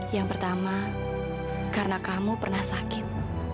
yang pertama karena kamu pernah sakit